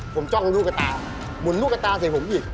ผมจ้องลูกกระตาหมุนลูกกระตาใส่ผมอีก